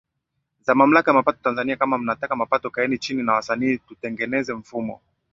zao Mamlaka ya mapato Tanzania kama mnataka mapato kaeni chini na wasanii tutengeneze mfumo